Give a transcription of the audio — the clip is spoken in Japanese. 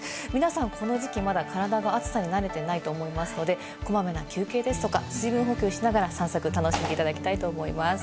皆さん、この時期まだ体の暑さに慣れていないと思いますので、こまめな休憩ですとか、水分補給をしながら楽しんでいただきたいと思います。